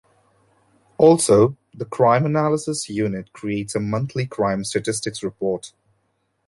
Also, the crime analysis unit creates a monthly crime statistics report.